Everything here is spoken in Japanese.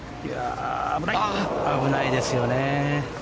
危ないですよね。